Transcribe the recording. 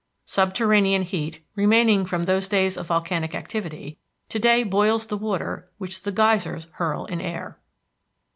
Subterranean heat, remaining from those days of volcanic activity, to day boils the water which the geysers hurl in air.